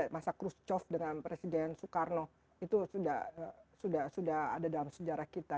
masa cross chof dengan presiden soekarno itu sudah ada dalam sejarah kita